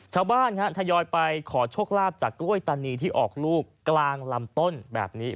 ท้าทยอยไปขอโชคลาภจากกล้วยตานีที่ออกลูกกลางลำต้นแบบนี้